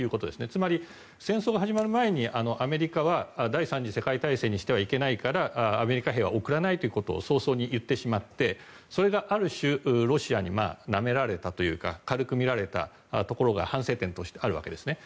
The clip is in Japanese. つまり、戦争が始まる前にアメリカは第３次世界大戦にしてはいけないからアメリカ兵は送らないということを早々に言ってしまってそれがある種、ロシアになめられたというか軽く見られたところが反省点としてあるわけですね。